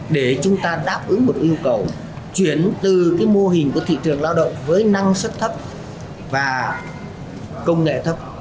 để chúng ta đáp ứng một yêu cầu chuyển từ mô hình của thị trường lao động với năng suất thấp và công nghệ thấp